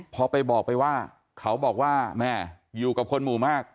พอไปบอกไปว่าเขาบอกว่าแม่อยู่กับคนหมู่มาก